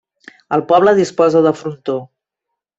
El poble disposa de frontó.